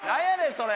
それ。